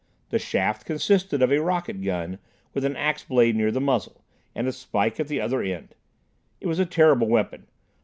The shaft consisted of a rocket gun, with an ax blade near the muzzle, and a spike at the other end. It was a terrible weapon.